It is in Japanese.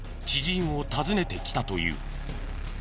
知人を訪ねてきたという。